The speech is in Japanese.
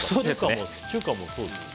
中華もそうですね。